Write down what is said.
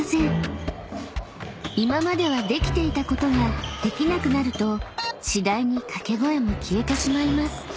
［今まではできていたことができなくなると次第に掛け声も消えてしまいます］